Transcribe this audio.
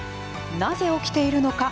なぜ起きているのか。